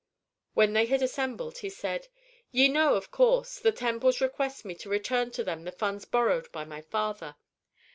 When they had assembled he said, "Ye know, of course, the temples request me to return to them the funds borrowed by my father.